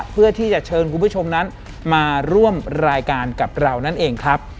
เพื่อที่จะเชิญคุณผู้ชมนั้นมาร่วมรายการกับเรานั่นเองครับ